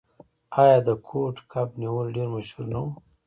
آیا د کوډ کب نیول ډیر مشهور نه و؟